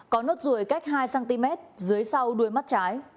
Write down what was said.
có nốt ruồi cách hai cm dưới sông